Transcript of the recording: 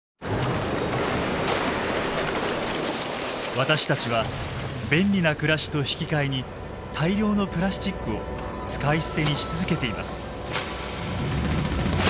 私たちは便利な暮らしと引き換えに大量のプラスチックを使い捨てにし続けています。